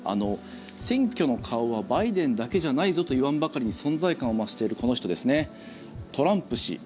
選挙の顔はバイデンだけじゃないぞと言わんばかりに存在感を増しているこの人ですねトランプ氏。